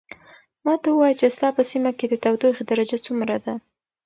ماته ووایه چې ستا په سیمه کې د تودوخې درجه څومره ده.